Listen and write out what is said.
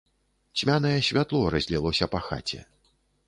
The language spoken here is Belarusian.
Цьмянае святло разлілося па хаце.